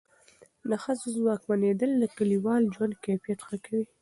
د ښځو ځواکمنېدل د کلیوال ژوند کیفیت ښه کوي.